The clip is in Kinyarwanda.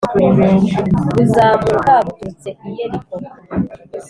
buzamuka buturutse i Yeriko